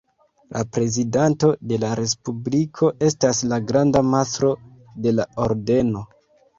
La prezidanto de la Respubliko estas la granda mastro de la Ordeno.